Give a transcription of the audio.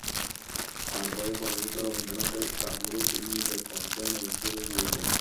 তাঁর বইয়ে প্রকাশিত রবীন্দ্রনাথের গানগুলো তিনি নিজের কণ্ঠে মূল সুরে গেয়েছেন।